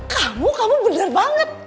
kamu kamu bener banget